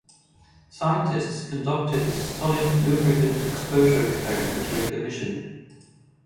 Scientists conducted a solid lubricant exposure experiment during the mission.